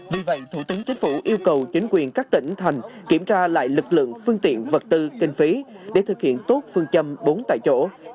vì vậy thủ tướng chính phủ yêu cầu chính quyền các tỉnh thành kiểm tra lại lực lượng phương tiện vật tư kinh phí để thực hiện tốt phương châm bốn tại chỗ